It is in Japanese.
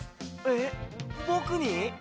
えっぼくに？